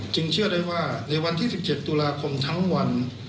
เชื่อได้ว่าในวันที่๑๗ตุลาคมทั้งวัน